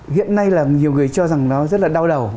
hiện nay là nhiều người cho rằng nó rất là đau đầu